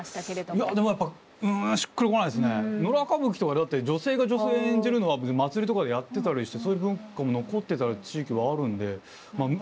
いやでもやっぱ村歌舞伎とかだって女性が女性演じるのは別に祭りとかでやってたりしてそういう文化も残ってた地域はあるんで。